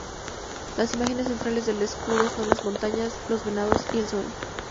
Las imágenes centrales del escudo son las montañas, los venados y el sol.